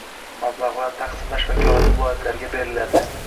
mablag‘larni taqsimlash vakolati viloyatlarga beriladi.